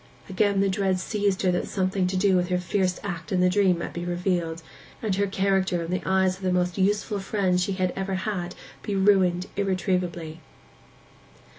Again the dread seized her that something to do with her fierce act in the dream might be revealed, and her character in the eyes of the most useful friend she had ever had be ruined irretrievably.